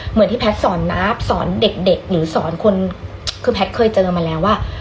เหมือนที่แพทย์สอนนับสอนเด็กหรือสอนคนคือแพทย์เคยเจอมาแล้วว่า